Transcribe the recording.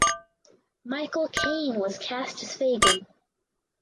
Michael Caine was cast as Fagin.